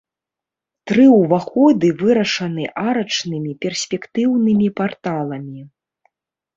Тры ўваходы вырашаны арачнымі перспектыўнымі парталамі.